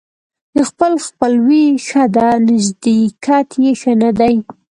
د خپل خپلوي ښه ده ، نژدېکت يې ښه نه دى.